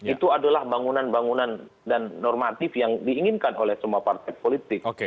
itu adalah bangunan bangunan dan normatif yang diinginkan oleh semua partai politik